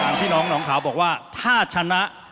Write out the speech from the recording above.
ตามที่น้องขาวก็บอกว่าถ้าชนะ